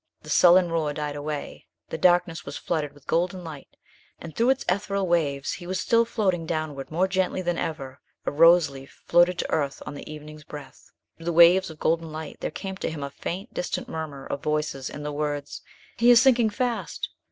The sullen roar died away; the darkness was flooded with golden light, and through its ethereal waves he was still floating downward more gently than ever a roseleaf floated to earth on the evening's breath. Through the waves of golden light there came to him a faint, distant murmur of voices, and the words, "He is sinking fast!"